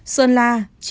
sơn la chín mươi tám